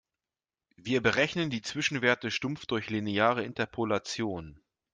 Wir berechnen die Zwischenwerte stumpf durch lineare Interpolation.